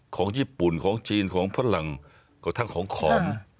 ของญี่ปุ่นของจีนของฝรั่งกระทั่งของขอม